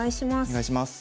お願いします。